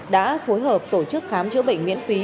đã phối hợp tổ chức khám chữa bệnh miễn phí